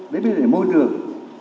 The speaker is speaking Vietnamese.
để biến đổi môi trường